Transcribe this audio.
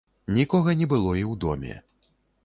Нікога не было і ў доме.